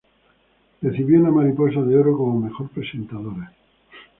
Recibió una Mariposa de Oro como Mejor Presentadora.